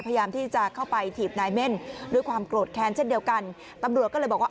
พยายามที่จะเข้าไปถีบนายเม่นด้วยความโกรธแค้นเช่นเดียวกันตำรวจก็เลยบอกว่า